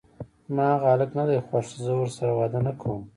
زما هغه هلک ندی خوښ، زه ورسره واده نکوم!